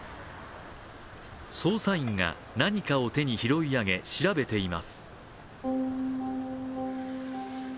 捜査員が何かを手に拾い上げ調べています。